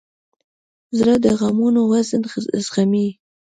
زړه د غمونو وزن زغمي.